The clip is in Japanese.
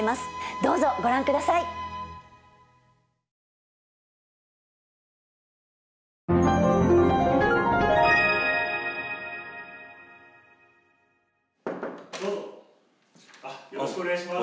よろしくお願いします。